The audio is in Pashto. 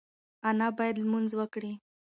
انا باید لمونځ وکړي.